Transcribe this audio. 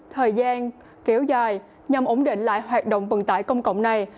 thời gian kéo dài nhằm ổn định lại hoạt động vận tải công cộng này